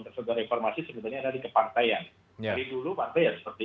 tersegur reformasi ada pada kepartaian dulu partaian seperti